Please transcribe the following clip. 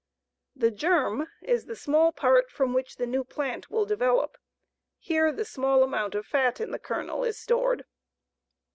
The germ is the small part from which the new plant will develop. Here the small amount of fat in the kernel is stored.